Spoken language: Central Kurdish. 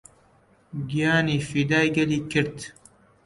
گیانی فیدای گەلی کرد